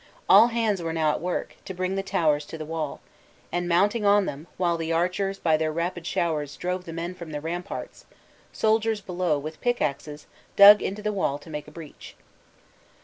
All hands were now at work, to bring the towers to the wall; and mounting on them, while the archers by their rapid showers drove the men from the ramparts, soldiers below, with pickaxes, dug into the wall to make a breach.